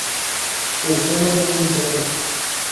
El gen no tiene intrones.